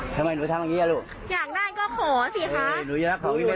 ทำไมหนูทำแบบนี้อยากได้ก็ขอสิท่าน